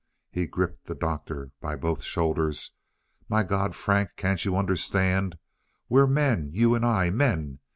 He gripped the Doctor by both shoulders. "My God, Frank, can't you understand? We're men, you and I men!